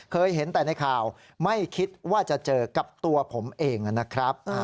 เคยเห็นแต่ในข่าวไม่คิดว่าจะเจอกับตัวผมเองนะครับ